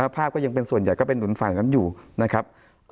ภาพก็ยังเป็นส่วนใหญ่ก็เป็นหนุนฝั่งนั้นอยู่นะครับ